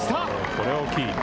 これは大きい。